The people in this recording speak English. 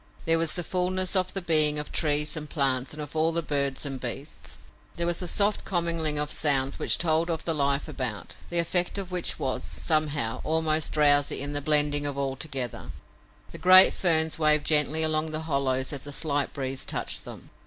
There was the fullness of the being of trees and plants and of all birds and beasts. There was a soft commingling of sounds which told of the life about, the effect of which was, somehow, almost drowsy in the blending of all together. The great ferns waved gently along the hollows as the slight breeze touched them.